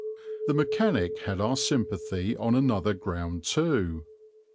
The mechanic had our sympathy on another ground too.